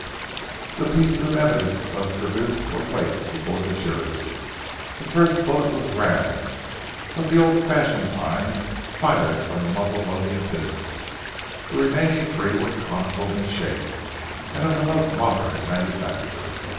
The pieces of evidence thus produced were placed before the jury. The first bullet was round of the old fashioned kind fired from a muzzle loading pistol. The remaining three were conical in shape, and of the most modern manufacture.